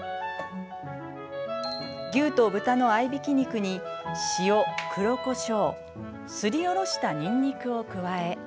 牛と豚の合いびき肉に塩黒こしょうすりおろしたにんにくを加え。